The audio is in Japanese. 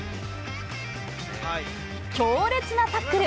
強烈なタックル。